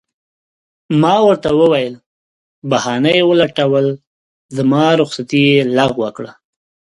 ما ورته وویل: بهانه یې ولټول، زما رخصتي یې لغوه کړه.